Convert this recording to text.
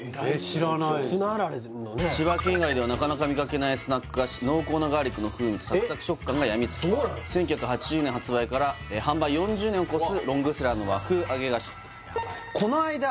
知らない千葉県以外ではなかなか見かけないスナック菓子濃厚なガーリックの風味とさくさく食感がやみつきになる１９８０年発売から販売４０年を超すロングセラーの和風揚げ菓子こないだ